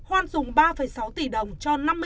oan dùng ba sáu tỷ đồng cho năm mươi hai cán